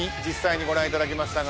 実際にご覧いただきました。